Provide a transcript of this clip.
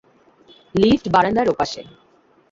Lift বারান্দার ওপাশে।